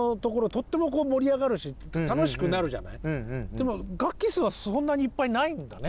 でも楽器数はそんなにいっぱいないんだね。